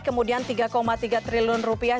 kemudian tiga tiga triliun rupiah